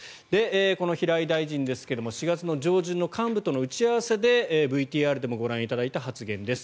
この平井大臣ですが４月上旬の幹部との打ち合わせでＶＴＲでもご覧いただいた発言です。